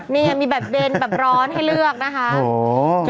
นี่ไงมีแบบเด่นแบบร้อนให้เลือกนะคะ